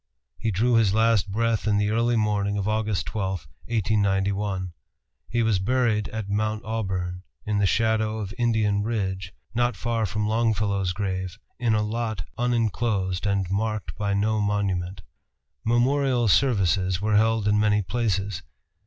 He drew his last breath in the early morning of Aug. 12, 1891. He was buried at Mount Auburn, in the shadow of Indian Ridge, not far from Longfellow's grave, in a lot unenclosed and marked by no monument. Memorial services were held in many places.